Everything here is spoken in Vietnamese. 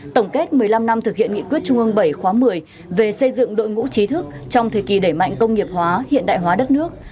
tổng kết một mươi năm năm thực hiện nghị quyết trung ương bảy khóa một mươi về xây dựng đội ngũ trí thức trong thời kỳ đẩy mạnh công nghiệp hóa hiện đại hóa đất nước